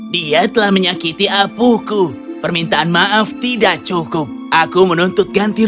dia telah menyakiti apuku permintaan maaf tidak cukup aku menuntut ganti